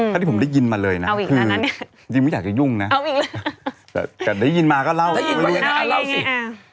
ถ้าที่ผมได้ยินมาเลยนะคือจริงไม่อยากจะยุ่งนะแต่ได้ยินมาก็เล่าเล่าสิเอาอีกแล้ว